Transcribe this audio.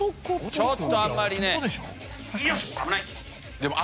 ちょっとあんまりね。